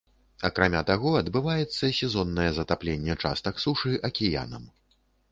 Акрамя таго, адбываецца сезоннае затапленне частак сушы акіянам.